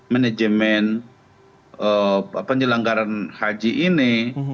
manajemen penyelenggaran haji ini